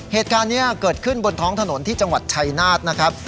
เหตุการณ์นี้เกิดขึ้นบนท้องถนนที่จังหวัดชัยนาธนะครับ